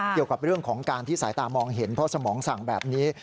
เกี่ยวกับเรื่องของการที่สายตามองเห็นเพราะสมองสั่งแบบนี้